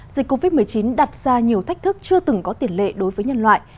dịch covid một mươi chín đặt ra nhiều thách thức chưa từng có tiền lệ đối với nhân loại